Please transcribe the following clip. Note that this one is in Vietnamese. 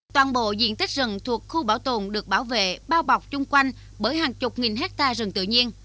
toàn bộ diện tích rừng thuộc khu bảo tồn được bảo vệ bao bọc chung quanh bởi hàng chục nghìn hectare rừng tự nhiên